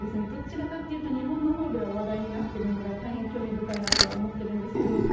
どちらかというと日本のほうでは話題になっているのが大変興味深いなとは思っているんですけど。